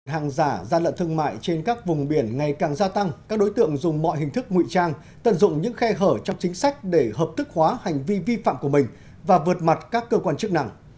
hàng giả gian lận thương mại trên các vùng biển ngày càng gia tăng các đối tượng dùng mọi hình thức nguy trang tận dụng những khe hở trong chính sách để hợp thức hóa hành vi vi phạm của mình và vượt mặt các cơ quan chức năng